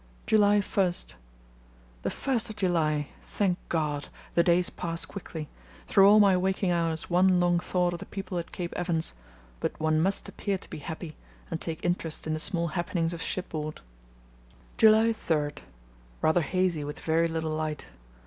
"July 1.—The 1st of July! Thank God. The days pass quickly. Through all my waking hours one long thought of the people at Cape Evans, but one must appear to be happy and take interest in the small happenings of shipboard. "July 3.—Rather hazy with very little light.